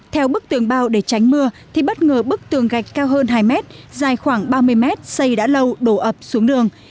theo bức tường bao để tránh mưa thì bất ngờ bức tường gạch cao hơn hai mét dài khoảng ba mươi mét xây đã lâu đổ ập xuống đường